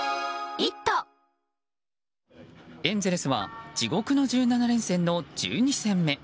エンゼルスは地獄の１７連戦の１２戦目。